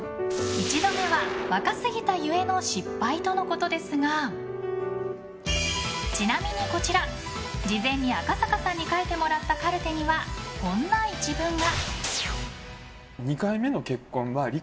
１度目は若すぎたゆえの失敗とのことですがちなみに、こちら事前に赤坂さんに書いてもらったカルテには、こんな一文が。